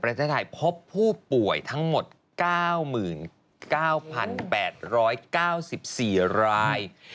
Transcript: ประเทศไทยพบผู้ป่วยทั้งหมด๙๙๘๙๔ราย